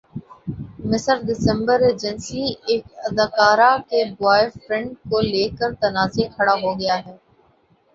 مصر دسمبرایجنسی ایک اداکارہ کے بوائے فرینڈ کو لیکر تنازعہ کھڑا ہو گیا ہے